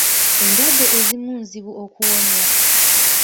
Endwadde ezimu nzibu okuwonya.